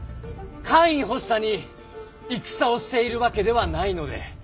官位欲しさに戦をしているわけではないので。